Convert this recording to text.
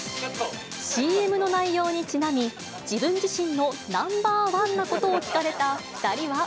ＣＭの内容にちなみ、自分自身のナンバーワンなことを聞かれた２人は。